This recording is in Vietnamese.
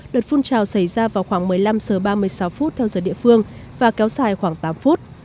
đợt phun trào xảy ra vào khoảng một mươi năm h ba mươi sáu phút theo giờ địa phương và kéo dài khoảng tám phút